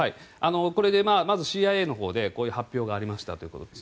これ、まずＣＩＡのほうでこういう発表がありましたということです。